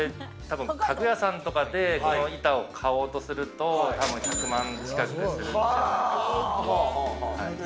家具屋さんとかでこの板を買おうとすると多分１００万近くするんですよね。